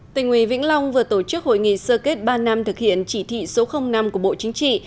tỉnh ủy vĩnh long vừa tổ chức hội nghị sơ kết ba năm thực hiện chỉ thị số năm của bộ chính trị